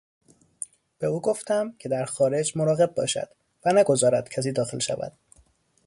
به او گفتم که در خارج مراقب باشد و نگذارد کسی داخل شود.